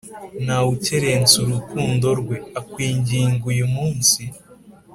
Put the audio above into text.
nawe ukerensa urukundo rwe, arakwinginga uyu munsi